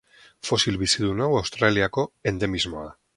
Fosil bizidun hau Australiako endemismoa da.